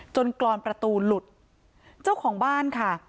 กรอนประตูหลุดเจ้าของบ้านค่ะ